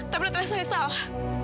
tapi benar benar saya salah